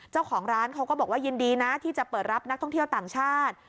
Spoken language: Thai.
เจ้าของร้านเขาก็บอกว่ายินดีนะที่จะเปิดรับนักท่องเที่ยวต่างชาติ